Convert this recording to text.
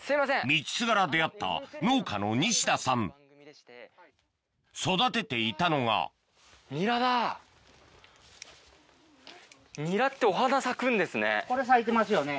道すがら出会った育てていたのがニラってお花咲くんですね。